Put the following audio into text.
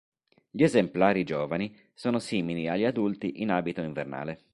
Gli esemplari giovani sono simili agli adulti in abito invernale.